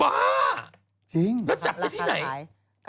จริงแล้วจับได้ที่ไหน